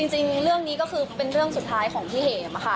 จริงเรื่องนี้ก็คือเป็นเรื่องสุดท้ายของพี่เห็มค่ะ